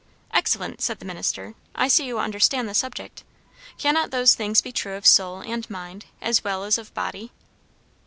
"Excellent," said the minister. "I see you understand the subject. Cannot those things be true of soul and mind, as well as of body?"